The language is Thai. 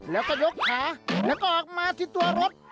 แล้วก็ยกขาแล้วก็ออกมาที่ตัวรถ